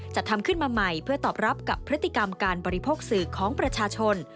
ทำขึ้นมาใหม่เพื่อตอบรับกับพฤติกรรมการบริโภคสื่อของประชาชน